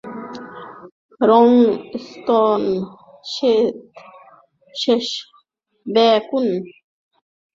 রোং-স্তোন-শেস-ব্যা-কুন-রিগ মধ্য ও পূর্ব তিব্বতের বিভিন্ন স্থানে যাত্রা করে সূত্র সম্বন্ধে শিক্ষাদান করে বিখ্যাত হন।